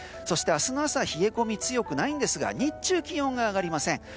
そして、明日の朝は冷え込みは強くないんですが日中、気温が上がりません。